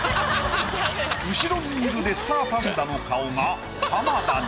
後ろにいるレッサーパンダの顔が浜田に。